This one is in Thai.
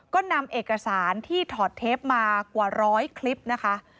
ก็นำเอกสารที่ถอดเทปมากว่าร้อยคลิปนะคะ